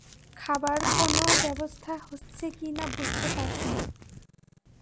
খাবার কোনো ব্যবস্থা হচ্ছে কি না বুঝতে পারছি না।